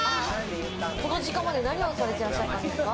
この時間まで何をされてらっしゃったんですか？